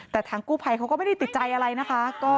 แต่ทางกู้ภัยเขาก็ไม่ได้ติดใจอะไรนะคะ